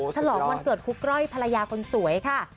ฉลองวันเกิดครูกร่อยภรรยาคนสวยค่ะ